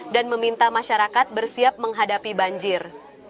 dan meminta masyarakat bersiap menghadapi banjir